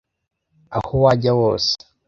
Aho wajya hose,